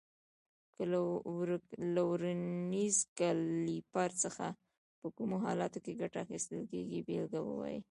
له ورنیز کالیپر څخه په کومو حالاتو کې ګټه اخیستل کېږي بېلګه ووایئ.